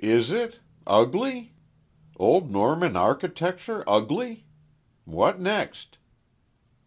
"Is it? Ugly? Old Norman architecture ugly! What next?"